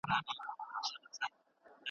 د ژوند میاشتې په ډېرې چټکۍ سره تېرېږي.